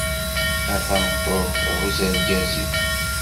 A tameṭṭut, ɛuzz argaz-im.